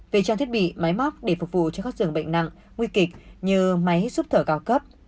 về trang thiết bị máy móc để phục vụ cho các dường bệnh nặng nguy kịch như máy xúc thở cao cấp